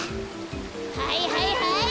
はいはいはい！